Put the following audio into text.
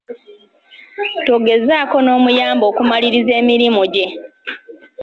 Togezaako n'omuyamba okumaliriza emirimu gye.